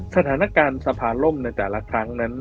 สถานการณ์สภาล่มในแต่ละครั้งนั้น